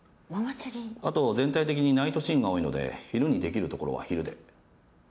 あと全体的にナイトシーンが多いので昼にできるところは昼で。